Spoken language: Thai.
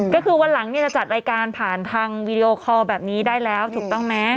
ก็คือวันหลังเนี่ยจะจัดรายการผ่านทางวีดีโอคอลแบบนี้ได้แล้วถูกต้องไหม